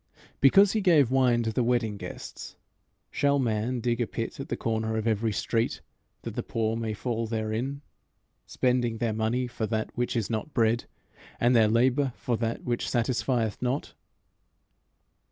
Because he gave wine to the wedding guests, shall man dig a pit at the corner of every street, that the poor may fall therein, spending their money for that which is not bread, and their labour for that which satisfieth not?